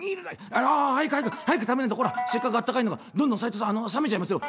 「ああ早く早く早く食べないとほらせっかくあったかいのがどんどん齋藤さん冷めちゃいますよ」。